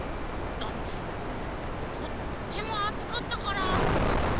だってとってもあつかったからフフフ。